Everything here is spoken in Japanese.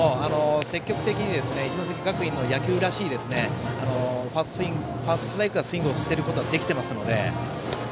積極的に一関学院の野球らしいファーストストライクからスイングしていくことはできていますので。